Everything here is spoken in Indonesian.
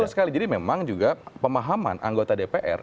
betul sekali jadi memang juga pemahaman anggota dpr